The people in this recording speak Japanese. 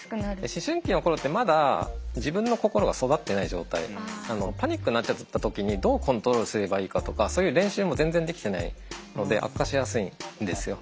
思春期の頃ってまだ自分の心が育ってない状態なのでパニックになっちゃった時にどうコントロールすればいいかとかそういう練習も全然できてないので悪化しやすいんですよ。